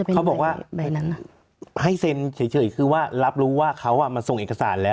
เขาบอกว่าให้เซ็นเฉยคือว่ารับรู้ว่าเขามาส่งเอกสารแล้ว